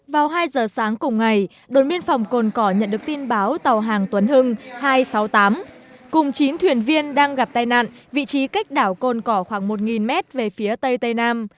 vào hai giờ sáng cùng ngày đồn biên phòng cồn cỏ nhận được tin báo tàu hàng tuấn hưng hai trăm sáu mươi tám cùng chín thuyền viên đang gặp tai nạn vị trí cách đảo cồn cỏ khoảng một mét về phía tây tây nam